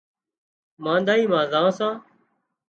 مانۮائي مان زان سان